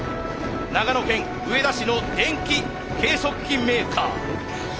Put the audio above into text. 長野県上田市の電気計測器メーカー。